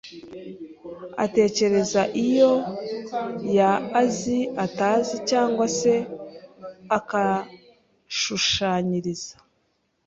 atekereza iyo ya azi o atazi yangwa se akashushanyiriza